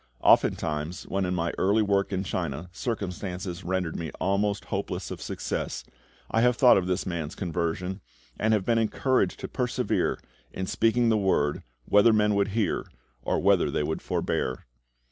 Oftentimes, when in my early work in China circumstances rendered me almost hopeless of success, I have thought of this man's conversion, and have been encouraged to persevere in speaking the Word, whether men would hear or whether they would forbear.